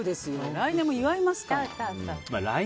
来年も祝いますから。